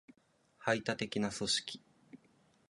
排他的な組織